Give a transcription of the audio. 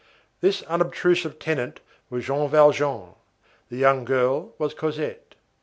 This unobtrusive tenant was Jean Valjean, the young girl was Cosette.